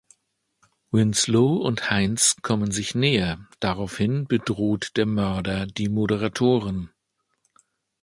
Winslow und Heinz kommen sich näher, daraufhin bedroht der Mörder die Moderatorin.